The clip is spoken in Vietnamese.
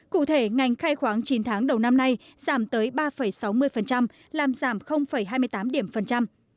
cụ thể ngành khai khoáng chín tháng đầu năm nay giảm tới ba sáu mươi làm giảm hai mươi tám điểm phần trăm